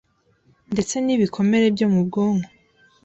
ndetse n'ibikomere byo mu bwonko